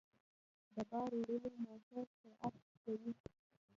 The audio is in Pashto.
د بار وړلو موټر سرعت ټيټ وي.